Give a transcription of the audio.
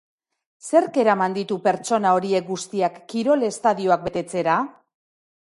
Zerk eraman ditu pertsona horiek guztiak kirol estadioak betetzera?